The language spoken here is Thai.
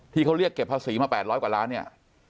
ที่เขาเรียกเก็บภาษีมา๘๐๐กว่าล้านเนี่ย